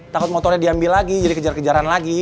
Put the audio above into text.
takut motornya diambil lagi jadi kejar kejaran lagi